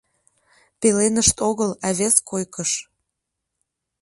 — Пеленышт огыл, а вес койкыш.